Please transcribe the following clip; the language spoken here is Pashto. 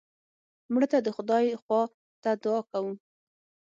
مړه ته د خدای خوا ته دعا کوو